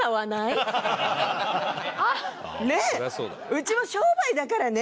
うちも商売だからね！